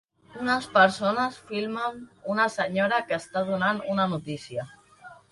Unes persones filmen una senyora que està donant una notícia.